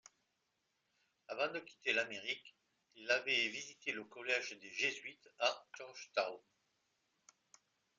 Avant de quitter l'Amérique, il avait visité le collège des Jésuites à Georgetown.